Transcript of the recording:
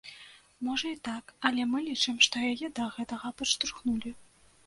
Можа і так, але мы лічым, што яе да гэтага падштурхнулі.